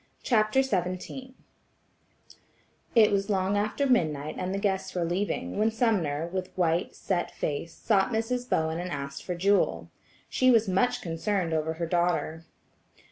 CHAPTER XVII It was long after midnight and the guests were leaving, when Sumner, with white, set face, sought Mrs. Bowen and asked for Jewel. She was much concerned over her daughter.